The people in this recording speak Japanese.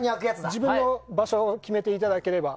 自分で場所を決めていただければ